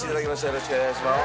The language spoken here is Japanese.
よろしくお願いします。